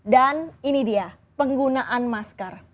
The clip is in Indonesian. dan ini dia penggunaan masker